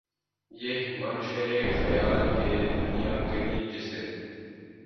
یہ محشرِ خیال کہ دنیا کہیں جسے